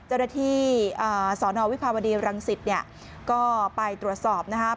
เจ้าหน้าที่สนวิภาวดีรังสิตเนี่ยก็ไปตรวจสอบนะครับ